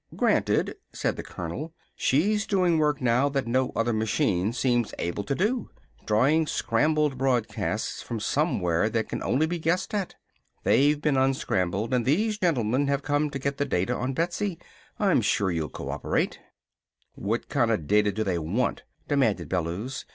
"Granted," said the colonel. "She's doing work now that no other machine seems able to do drawing scrambled broadcasts from somewhere that can only be guessed at. They've been unscrambled and these gentlemen have come to get the data on Betsy. I'm sure you'll cooperate." "What kinda data do they want?" demanded Bellews.